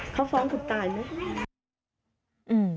เขาฟ้องคุณตายไหม